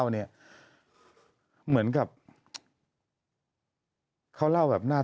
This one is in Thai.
แต่ได้ยินจากคนอื่นแต่ได้ยินจากคนอื่น